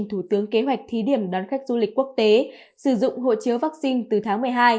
thủ tướng kế hoạch thí điểm đón khách du lịch quốc tế sử dụng hộ chiếu vaccine từ tháng một mươi hai